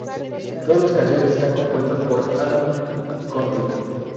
Todas las canciones están compuestas por Adam Gontier